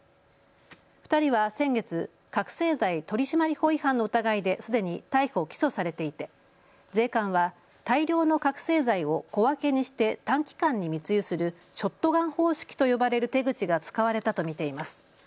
２人は先月、覚醒剤取締法違反の疑いですでに逮捕・起訴されていて税関は大量の覚醒剤を小分けにして短期間に密輸するショットガン方式と呼ばれる手口が使われたと見ています。